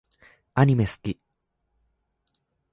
アニメ好き